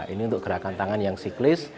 ini untuk gerakan tangan yang siklis